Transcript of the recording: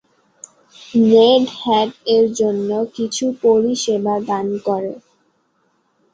Red Hat এর জন্য কিছু পরিষেবা দান করে।